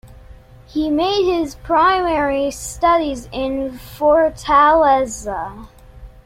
He made his primary studies in Fortaleza.